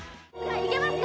いけますか？